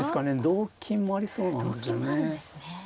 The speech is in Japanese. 同金もありそうなんですよね。